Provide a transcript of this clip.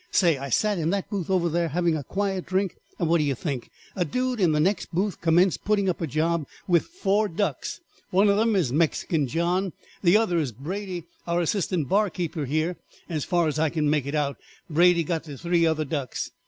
"Say, I sat in that booth over there having a quiet drink, and what do yer think? A dude in the next booth commenced putting up a job with four ducks; one of them is Mexican John and the other is Brady, our assistant bar keeper here. As far as I can make it out Brady got the three other ducks.